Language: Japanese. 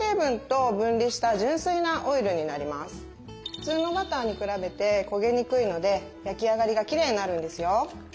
普通のバターに比べて焦げにくいので焼き上がりがきれいになるんですよ。